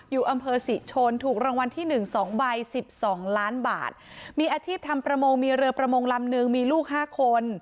อยู่อำเภอศรีชนถูกรางวัลที่๑๒ใบ๑๒ล้านบาทมีอาชีพทำประมงมีเรือประมงลำนึงมีลูก๕คน